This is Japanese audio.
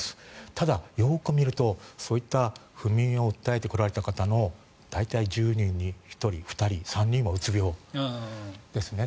ただ、よく見るとそういった不眠を訴えて来られた方の大体１０人に１人、２人、３人はうつ病ですね。